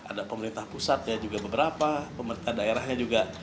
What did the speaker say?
ada pemerintah pusat ya juga beberapa pemerintah daerahnya juga